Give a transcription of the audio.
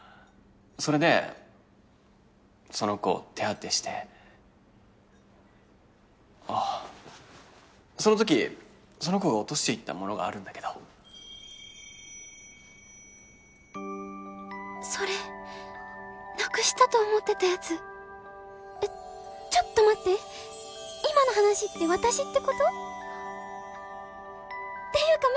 それでその子を手当てしてあっそのときその子が落としていった物があるんだけどそれなくしたと思ってたやつちょっと待って今の話って私ってこと？っていうか